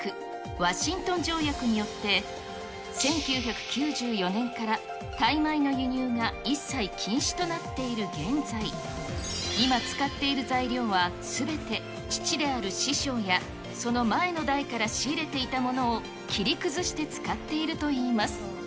ワシントン条約によって、１９９４年からタイマイの輸入が一切禁止となっている現在、今使っている材料は、すべて父である師匠やその前の代から仕入れていたものを、切り崩して使っているといいます。